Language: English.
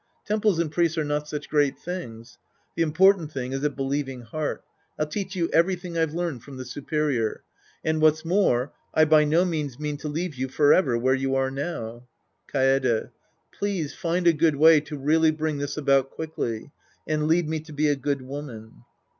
Temples and priests are not such great things. The important thing is a believing heart. I'll teach you everything I've learned from the superior. And what's more, I by no means mean to leave you forever where you are now. Kaede. Please find a good way to really bring this about quickly. And lead me to be a good woman.